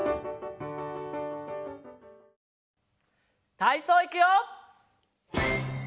たいそういくよ！